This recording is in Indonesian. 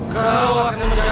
kau akan menjadi